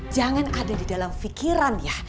jangan ada di dalam pikiran ya